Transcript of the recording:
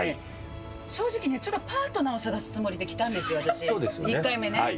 正直ね、ちょっとパートナーを探すつもりで来たんですよ、私、１回目ね。